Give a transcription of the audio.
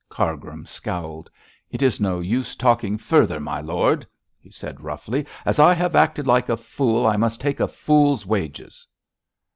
Cargrim scowled. 'It is no use talking further, my lord,' he said roughly. 'As I have acted like a fool, I must take a fool's wages.'